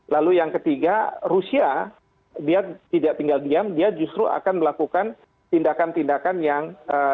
lalu yang ketiga rusia dia tidak tinggal diam dia justru akan melakukan tindakan tindakan yang